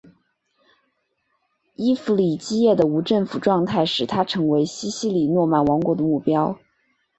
伊弗里基叶的无政府状态使它成为西西里诺曼王国的目标。